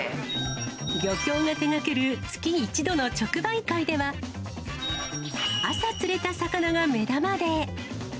漁協が手がける月に１度の直売会では、朝釣れた魚が目玉で。